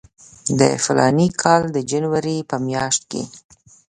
د فلاني کال د جنوري په میاشت کې.